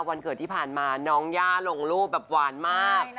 วันเกิดที่ผ่านมาน้องย่าลงรูปแบบหวานมาก